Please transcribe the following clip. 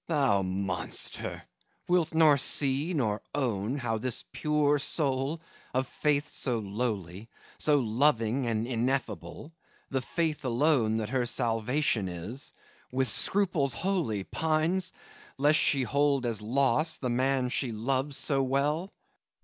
FAUST Thou, monster, wilt nor see nor own How this pure soul, of faith so lowly, So loving and ineffable, The faith alone That her salvation is, with scruples holy Pines, lest she hold as lost the man she loves so well!